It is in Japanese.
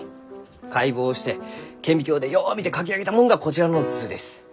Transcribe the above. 解剖して顕微鏡でよう見て描き上げたもんがこちらの図です。